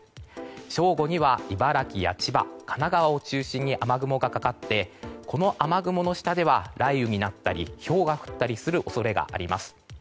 正午には茨城や千葉神奈川を中心に雨雲がかかってこの雨雲の下では雷雨になったりひょうが降ったりする恐れがあります。